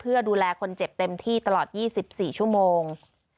เพื่อดูแลคนเจ็บเต็มที่ตลอด๒๔ชั่วโมง